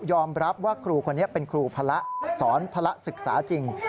รับว่าครูคนนี้เป็นครูพระสอนพระศึกษาจริง